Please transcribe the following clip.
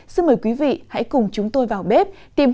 xin mời quý vị hãy cùng chúng tôi vào bếp